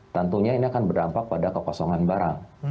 tentunya ini akan berdampak pada kekosongan barang